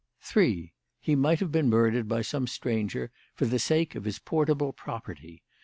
"3. He might have been murdered by some stranger for the sake of his portable property.